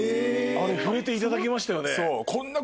あれ触れていただきましたよね。